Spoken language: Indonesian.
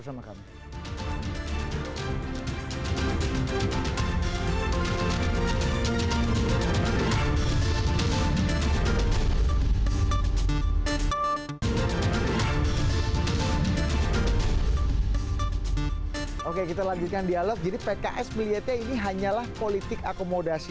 sama kami oke kita lanjutkan dialog jadi pks melihatnya ini hanyalah politik akomodasi